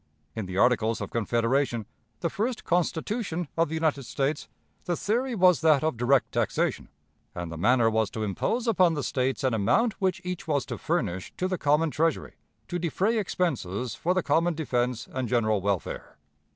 In the Articles of Confederation, the first Constitution of the United States, the theory was that of direct taxation, and the manner was to impose upon the States an amount which each was to furnish to the common Treasury to defray expenses for the common defense and general welfare.